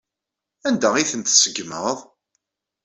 Anda ay tent-tṣeggmeḍ?